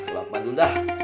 lakman dulu lah